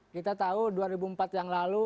kita tahu dua ribu empat yang lalu